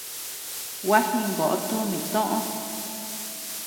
Gua jingoʼo tumi toʼö.